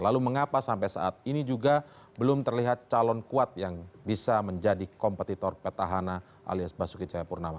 lalu mengapa sampai saat ini juga belum terlihat calon kuat yang bisa menjadi kompetitor petahana alias basuki cahayapurnama